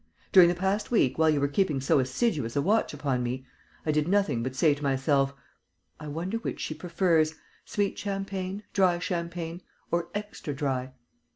During the past week, while you were keeping so assiduous a watch upon me, I did nothing but say to myself, 'I wonder which she prefers: sweet champagne, dry champagne, or extra dry?